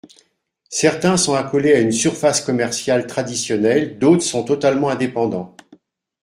Certains sont accolés à une surface commerciale traditionnelle, d’autres sont totalement indépendants.